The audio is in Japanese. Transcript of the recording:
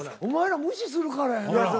お前ら無視するからやな。